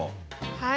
はい。